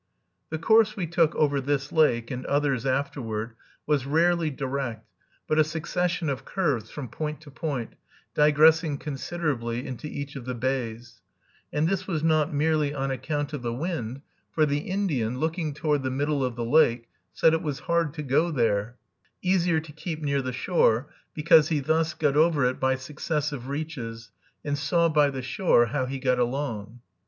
The course we took over this lake, and others afterward, was rarely direct, but a succession of curves from point to point, digressing considerably into each of the bays; and this was not merely on account of the wind, for the Indian, looking toward the middle of the lake, said it was hard to go there, easier to keep near the shore, because he thus got over it by successive reaches and saw by the shore how he got along.